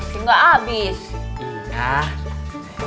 sosnya gak abis